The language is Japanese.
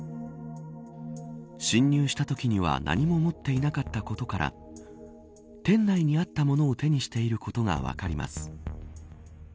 侵入したときには何も持っていなかったことから店内にあったものを手にしていることが分かります。